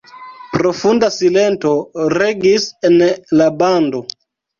Profunda silento regis en la bando.